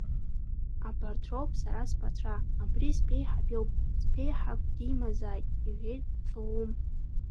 Абарҭ роуп сара сԥацәа, абри сԥеиҳаб иоуп, сԥеиҳаб димазааит, — иҳәеит Соӷәым.